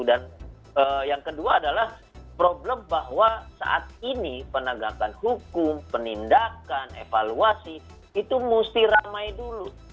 dan yang kedua adalah problem bahwa saat ini penegakan hukum penindakan evaluasi itu mesti ramai dulu